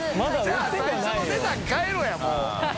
じゃあ最初の値段変えろやもう。